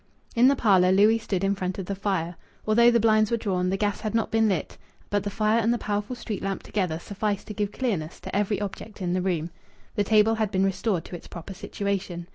In the parlour Louis stood in front of the fire. Although the blinds were drawn, the gas had not been lighted; but the fire and the powerful street lamp together sufficed to give clearness to every object in the room. The table had been restored to its proper situation.